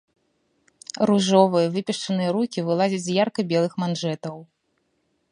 Ружовыя выпешчаныя рукі вылазяць з ярка-белых манжэтаў.